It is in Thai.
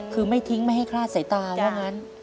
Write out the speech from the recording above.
คือไม่ทิ้งไม่ให้คลาดสายตาว่างั้น